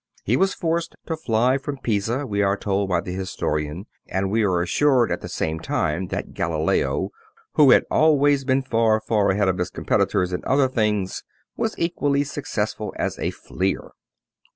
He was forced to fly from Pisa, we are told by the historian, and we are assured at the same time that Galileo, who had always been far, far ahead of all competitors in other things, was equally successful as a fleer.